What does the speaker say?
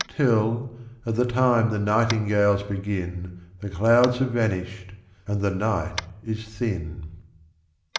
Till, at the time the nightingales begin The clouds have vanished, and the night is thin.